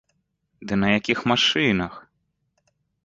Ды на якіх машынах!